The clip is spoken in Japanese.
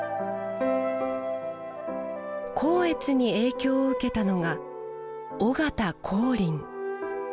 光悦に影響を受けたのが尾形光琳。